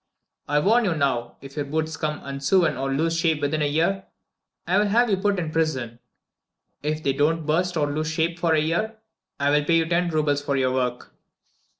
I warn you now if your boots become unsewn or lose shape within a year, I will have you put in prison. If they don't burst or lose shape for a year I will pay you ten roubles for your work."